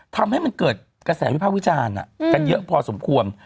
ทำให้มันเกิดกระแสวิภาควิจารณ์กันเยอะพอสมควร